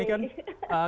iya oke ini kan